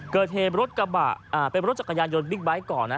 เกิดเหตุรถกระบะเป็นรถจักรยานยนต์บิ๊กไบท์ก่อนนะ